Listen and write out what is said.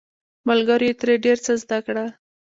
ملګرو یې ترې ډیر څه زده کړل.